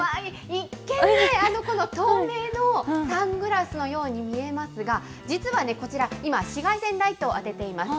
一見ね、透明のサングラスのように見えますが、実はね、こちら今、紫外線ライトを当てています。